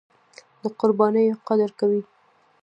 د قربانیو قدر کوي.